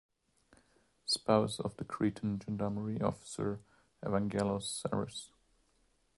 Spouse of the Cretan gendarmerie officer Evangelos Sarris.